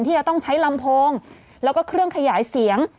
ที่จะต้องใช้ลำโพงแล้วก็เครื่องขยายเสียง